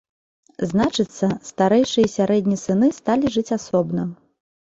Значыцца, старэйшы і сярэдні сыны сталі жыць асобна.